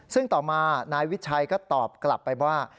ซึ่งต่อมานายวิชัยก็ตอบกลับไปว่า